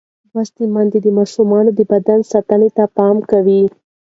لوستې میندې د ماشوم د بدن ساتنې ته پام کوي.